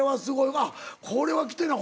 あっこれは着てない。